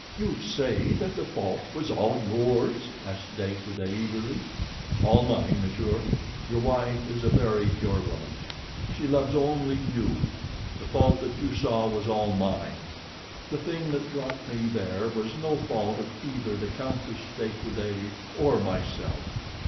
"You say that the fault was all yours?" asked De Coude eagerly. "All mine, monsieur. Your wife is a very pure woman. She loves only you. The fault that you saw was all mine. The thing that brought me there was no fault of either the Countess de Coude or myself.